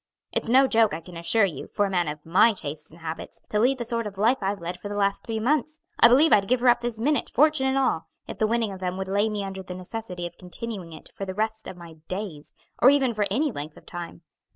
It's no joke, I can assure you, for a man of my tastes and habits to lead the sort of life I've led for the last three months, I believe I'd give her up this minute, fortune and all, if the winning of them would lay me under the necessity of continuing it for the rest of my days, or even for any length of time.